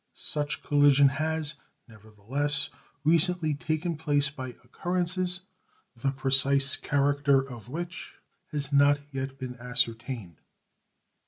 Such collision has, never the less, recently taken place by occurrences the precise character of which has not yet been ascertained.